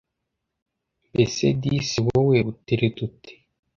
Mbese disi wowe utereta ute?